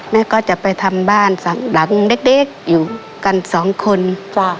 แม่ก็จะไปทำบ้านหลังเล็กอยู่กันสองคน